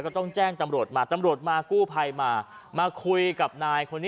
ก็ต้องแจ้งจำรวจมา